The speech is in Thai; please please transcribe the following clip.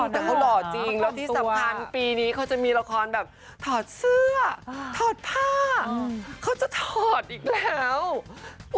แต่เขาหล่อจริงแล้วที่สำคัญปีนี้เขาจะมีละครแบบถอดเสื้อถอดผ้าเขาจะถอดอีกแล้ว